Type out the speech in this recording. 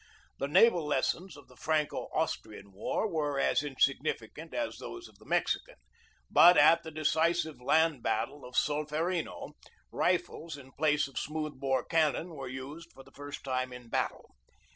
The naval lessons of the Franco Austrian War were as insig nificant as those of the Mexican; but at the decisive land battle of Solferino rifles in place of smooth bore cannon were used for the first time in battle.